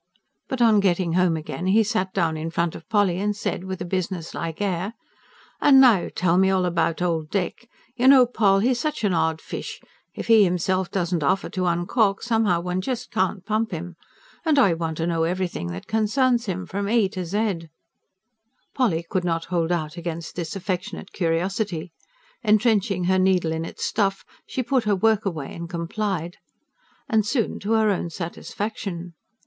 But on getting home again, he sat down in front of Polly and said, with a businesslike air: "And now tell me all about old Dick! You know, Poll, he's such an odd fish; if he himself doesn't offer to uncork, somehow one can't just pump him. And I want to know everything that concerns him from A to Z." Polly could not hold out against this affectionate curiosity. Entrenching her needle in its stuff, she put her work away and complied. And soon to her own satisfaction.